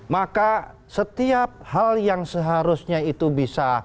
maka setiap hal yang seharusnya itu bisa